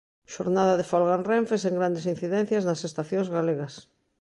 Xornada de folga en Renfe sen grandes incidencias nas estacións galegas.